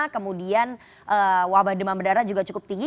kemudian wabah demam berdarah juga cukup tinggi